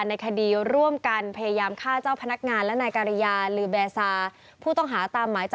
ในคดีร่วมกันพยายามฆ่าเจ้าพนักงานและไนการรยาหรือแบร์ซา